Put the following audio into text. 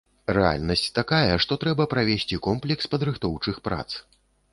Рэальнасць такая, што трэба правесці комплекс падрыхтоўчых прац.